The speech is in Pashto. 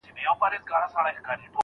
پل مي سم دی را اخیستی نښانه هغسي نه ده.